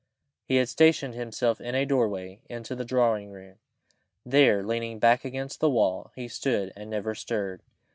He had stationed himself in a doorway into the drawing room; there, leaning back against the wall, he stood, and never stirred.